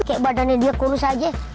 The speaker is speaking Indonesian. kayak badannya dia kurus aja